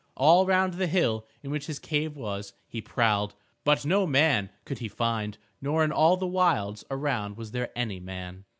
All round the hill in which his cave was he prowled, but no man could he find, nor in all the wilds around was there any man.